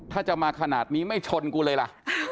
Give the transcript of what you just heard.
ถ้าจะมาขนาดนี้ไม่ชนกูเลยล่ะ